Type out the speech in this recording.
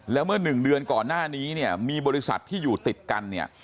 แล้วเมื่อหนึ่งเดือนก่อนหน้านี้เนี่ยมีบริษัทที่อยู่ติดกันเนี่ย